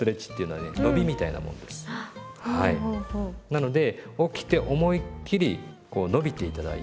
なので起きて思いっ切りこう伸びて頂いて。